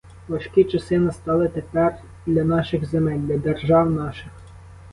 Важкі часи настали тепер для наших земель, для держав наших.